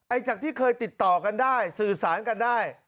จากที่เคยติดต่อกันได้สื่อสารกันได้